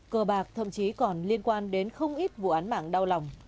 cờ bạc thậm chí còn liên quan đến không ít vụ án mạng đau lòng